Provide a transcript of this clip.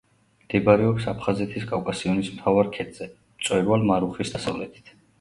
მდებარეობს აფხაზეთის კავკასიონის მთავარ ქედზე, მწვერვალ მარუხის დასავლეთით.